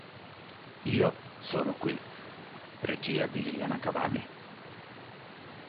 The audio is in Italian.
Io sono qui", regia di Liliana Cavani.